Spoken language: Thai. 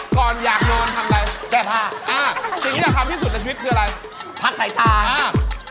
ก่อนอยากโมนทำอะไร